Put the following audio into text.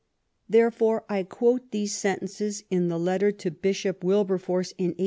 Therefore I quote these sentences in the letter to Bishop Wilberforce in 1845.